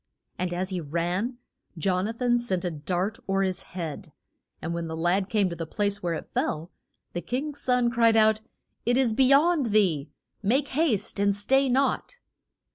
And as he ran, Jon a than sent a dart o'er his head; and when the lad came to the place where it fell, the king's son cried out, It is be yond thee. Make haste, and stay not.